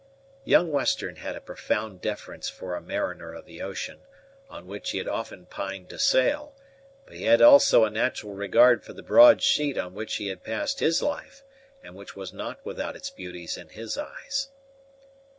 Young Western had a profound deference for a mariner of the ocean, on which he had often pined to sail; but he had also a natural regard for the broad sheet on which he had passed his life, and which was not without its beauties in his eyes.